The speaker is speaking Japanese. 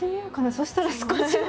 そしたら少しは。